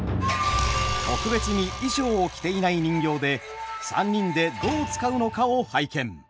特別に衣装を着ていない人形で３人でどう遣うのかを拝見。